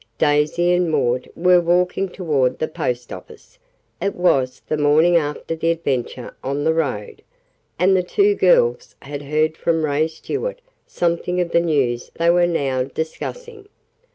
Daisy and Maud were walking toward the post office. It was the morning after the adventure on the road, and the two girls had heard from Ray Stuart something of the news they were now discussing.